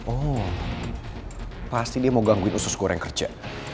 oh pasti dia mau gangguin usus gue yang kerja